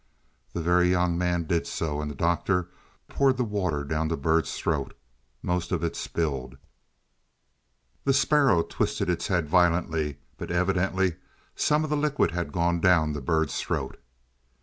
The Very Young Man did so, and the Doctor poured the water down the bird's throat. Most of it spilled; the sparrow twisted its head violently, but evidently some of the liquid had gone down the bird's throat.